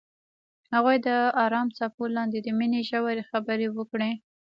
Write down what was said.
هغوی د آرام څپو لاندې د مینې ژورې خبرې وکړې.